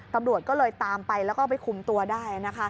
ตำรวจก็เลยตามไปแล้วก็ไปคุมตัวได้นะคะ